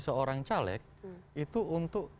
seorang caleg itu untuk